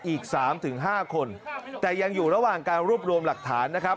อีก๓๕คนแต่ยังอยู่ระหว่างการรวบรวมหลักฐานนะครับ